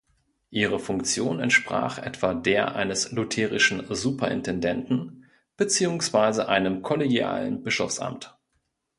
Ihre Funktion entsprach etwa der eines lutherischen Superintendenten beziehungsweise einem kollegialen Bischofsamt.